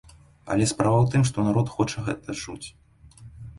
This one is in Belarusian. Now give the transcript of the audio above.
Але справа ў тым, што народ хоча гэта чуць.